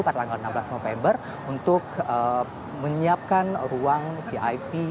pada tanggal enam belas november untuk menyiapkan ruang vip